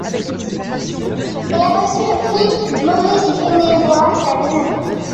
Il a reçu le prix Maurice-Genevoix la même année.